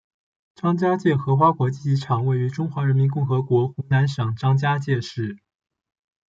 张家界荷花国际机场位于中华人民共和国湖南省张家界市。